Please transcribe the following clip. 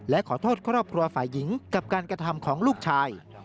และขอโทษครอบครัวฝ่ายหญิงกับการกระทำของลูกชาย